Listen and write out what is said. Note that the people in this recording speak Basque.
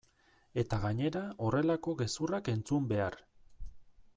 Eta gainera horrelako gezurrak entzun behar!